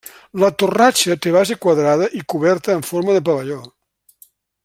La torratxa té base quadrada i coberta en forma de pavelló.